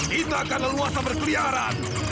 kita akan leluasa berkeliaran